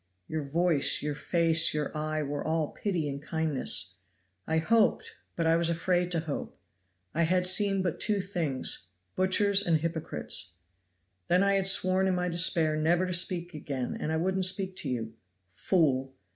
Your voice, your face, your eye were all pity and kindness. I hoped, but I was afraid to hope! I had seen but two things butchers and hypocrites. Then I had sworn in my despair never to speak again, and I wouldn't speak to you. Fool!